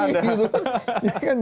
atau lihat tv